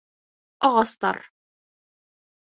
Ағастар